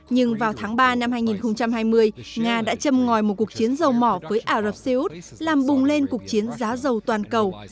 nhưng vào tháng ba năm hai nghìn hai mươi nga đã châm ngòi một cuộc chiến dầu mỏ với ả rập xê út làm bùng lên cuộc chiến giá dầu toàn cầu